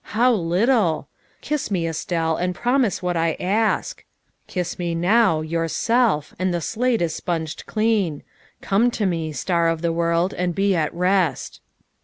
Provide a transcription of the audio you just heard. How little! Kiss me, Estelle, and promise what I ask. Kiss me now, yourself, and the slate is sponged clean. Come to me, Star of the World, and be at rest."